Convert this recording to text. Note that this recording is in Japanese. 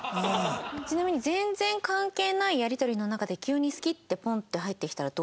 ちなみに全然関係ないやり取りの中で急に「好き」ってポンッて入ってきたらどう思います？